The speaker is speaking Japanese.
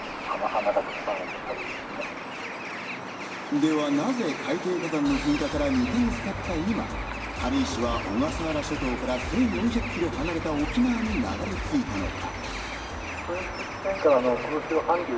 ではなぜ海底火山の噴火から２か月たった今、軽石は小笠原諸島から１４００ｋｍ離れた沖縄に流れ着いたのか。